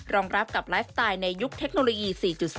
รองรับกับไลฟ์สไตล์ในยุคเทคโนโลยี๔๐